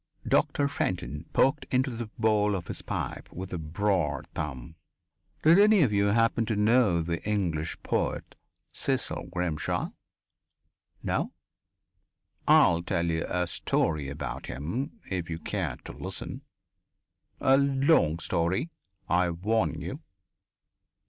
Doctor Fenton poked into the bowl of his pipe with a broad thumb. "Did any of you happen to know the English poet, Cecil Grimshaw? No? I'll tell you a story about him if you care to listen. A long story, I warn you.